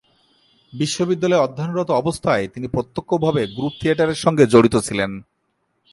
বিশ্ববিদ্যালয়ে অধ্যয়নরত অবস্থায় তিনি প্রত্যক্ষভাবে গ্রুপ থিয়েটারের সঙ্গে জড়িত ছিলেন।